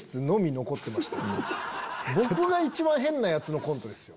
僕が一番変なヤツのコントですよ？